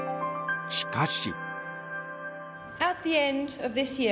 しかし。